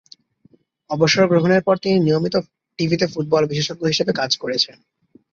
অবসরগ্রহণের পর তিনি নিয়মিত টিভিতে ফুটবল বিশেষজ্ঞ হিসেবে কাজ করছেন।